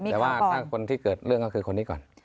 แต่ว่าถ้าคนที่เกิดเรื่องก็คือคนนี้ก่อน